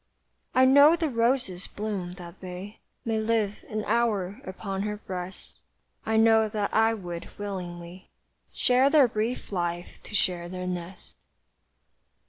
I know the roses bloom that they May live an hour upon her breast; I know that I would willingly Share their brief life to share their nest.